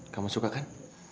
kamu suka kan